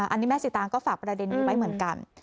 อันนี้แม่สีตางก็ฝากประเด็นนี้ไว้เหมือนกัน